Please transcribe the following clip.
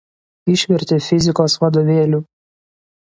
Išvertė fizikos vadovėlių.